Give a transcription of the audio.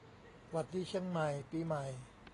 หวัดดีเชียงใหม่ปีใหม่